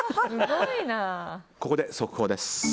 ここで速報です。